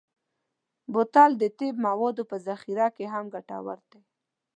بوتل د طب موادو په ذخیره کې هم ګټور دی.